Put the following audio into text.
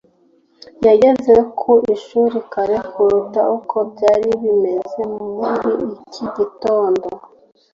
yageze ku ishuri kare kuruta uko byari bisanzwe muri iki gitondo.